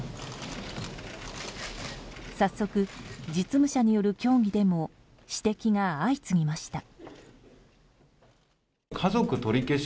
早速、実務者による協議でも指摘が相次ぎました。